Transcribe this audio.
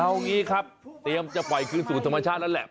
เอางี้ครับเตรียมจะปล่อยคืนสู่ธรรมชาติแล้วแหละ